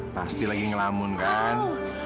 pasti lagi ngelamun kan